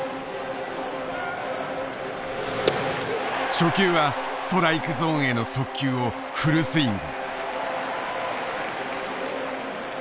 初球はストライクゾーンへの速球をフルスイング。